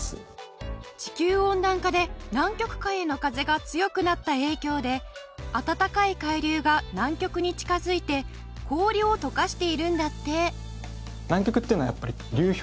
地球温暖化で南極海への風が強くなった影響で暖かい海流が南極に近づいて氷を溶かしているんだって。